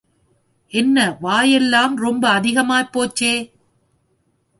என்ன வாயெல்லாம் ரொம்ப அதிகமாப் போச்சே!